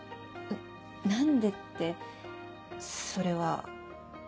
何でってそれは。